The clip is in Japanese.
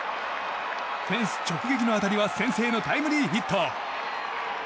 フェンス直撃の当たりは先制のタイムリーヒット。